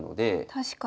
確かに。